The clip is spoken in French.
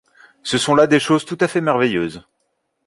Ce sont là des choses tout à fait merveilleuses.